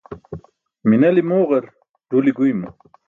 Minali mooġar, ruli guymo.